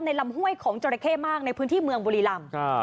ลำห้วยของจราเข้มากในพื้นที่เมืองบุรีรำ